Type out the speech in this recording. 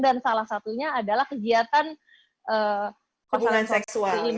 dan salah satunya adalah kegiatan hubungan seksual